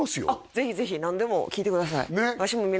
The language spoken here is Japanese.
ぜひぜひ何でも聞いてください